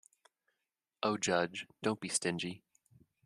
Oh, judge, don't be stingy.